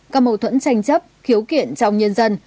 các mâu thuẫn tranh chấp khiếu kiện trong nhân dân